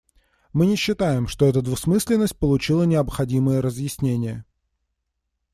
Мы не считаем, что эта двусмысленность получила необходимое разъяснение.